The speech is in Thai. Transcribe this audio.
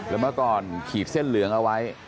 แล้วเมื่อก่อนขีดเส้นเหลืองเอาไว้